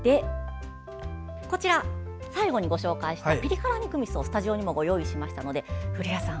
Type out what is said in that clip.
こちら、最後にご紹介したピリ辛肉みそ、スタジオにもご用意しましたので古谷さん